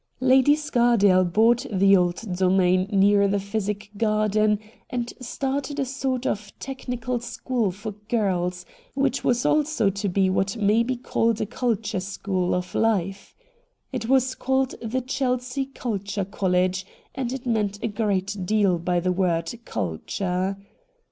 Lady Scardale bought the old domain near the Physic Garden, and started a sort of technical school for girls which was also to be what may be called a culture school of life. It was called the Chelsea Culture College, and it meant a great deal by the word ' Culture.'